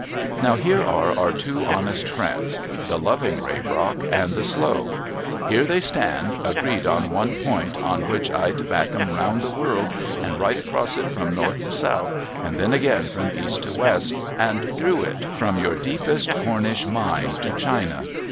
Now, here are our two honest friends, the loving Raybrock and the slow. Here they stand, agreed on one point, on which I'd back 'em round the world, and right across it from north to south, and then again from east to west, and through it, from your deepest Cornish mine to China.